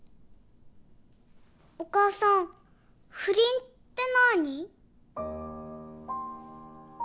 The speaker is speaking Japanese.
お母さん不倫って何？